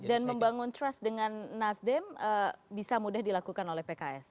dan membangun trust dengan nasdem bisa mudah dilakukan oleh pks